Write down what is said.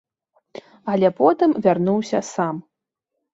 Але потым вярнуўся сам.